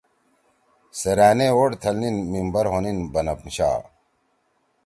سیرأنے ووٹ تھلنیِن ممبر ہونیِن بنم شا